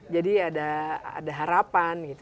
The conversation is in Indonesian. jadi ada harapan gitu